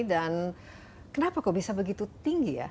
dan kenapa kok bisa begitu tinggi ya